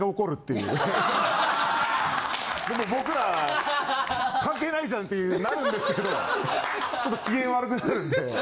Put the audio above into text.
でも僕ら関係ないじゃんってなるんですけどちょっと機嫌悪くなるんで。